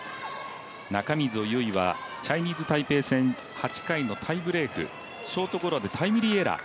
中溝優生はチャイニーズ・タイペイ戦８回のタイブレーク、ショートゴロでタイムリーエラー。